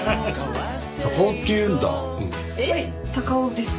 はい高尾です。